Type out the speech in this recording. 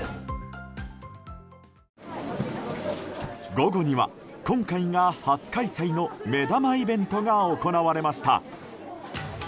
午後には、今回が初開催の目玉イベントが行われました。